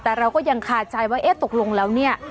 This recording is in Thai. แต่เราก็ยังคาใจว่าเอ๊ะตกลงแล้วเนี่ย